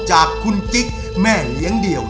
จากคุณกิ๊กแม่เลี้ยงเดี่ยว